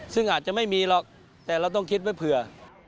ซึ่งอาจจะไม่มีหรอกแต่เราต้องคิดไว้เผื่อ